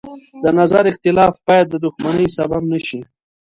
د نظر اختلاف باید د دښمنۍ سبب نه شي.